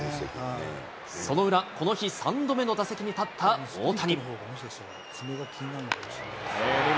その裏、この日３度目の打席に立った大谷。